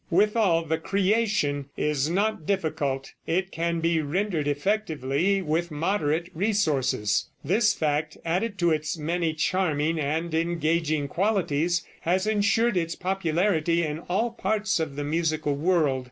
Withal, the "Creation" is not difficult. It can be rendered effectively with moderate resources. This fact, added to its many charming and engaging qualities, has insured its popularity in all parts of the musical world.